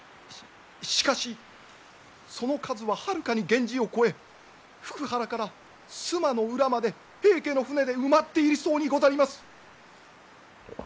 ししかしその数ははるかに源氏を超え福原から須磨の浦まで平家の船で埋まっているそうにござります！